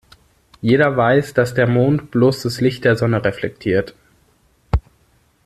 Jeder weiß, dass der Mond bloß das Licht der Sonne reflektiert.